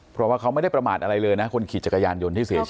เพราะว่าเขาไม่ได้ประมาทอะไรเลยนะคนขี่จักรยานยนต์ที่เสียชีวิต